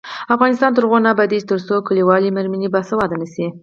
افغانستان تر هغو نه ابادیږي، ترڅو کلیوالې میرمنې باسواده نشي.